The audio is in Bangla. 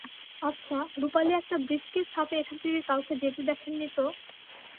আচ্ছা, রূপালী একটা ব্রিফকেস হাতে এখান দিয়ে কাউকে যেতে দেখেননি তো?